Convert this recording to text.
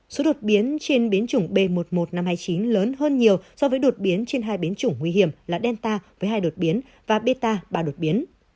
số đột biến trên biến chủng b một mươi một nghìn năm trăm hai mươi chín lớn hơn nhiều so với đột biến trên hai biến chủng nguy hiểm là delta với hai đột biến và beta ba đột biến